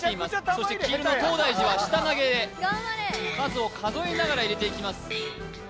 そして黄色の東大寺は下投げで数を数えながら入れていきます